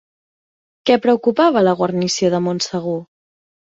Què preocupava a la guarnició de Montsegur?